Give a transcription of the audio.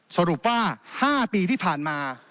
สรุปว่า๕ปีที่ผ่านมา